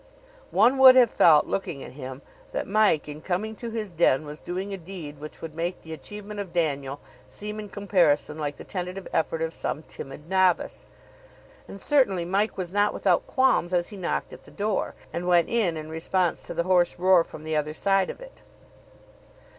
One would have felt, looking at him, that Mike, in coming to his den, was doing a deed which would make the achievement of Daniel seem in comparison like the tentative effort of some timid novice. And certainly Mike was not without qualms as he knocked at the door, and went in in response to the hoarse roar from the other side of it.